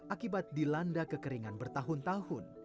akibat dilanda kekeringan bertahun tahun